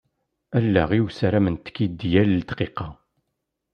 Allaɣ-iw ssarament-k-id yal ddqiqa.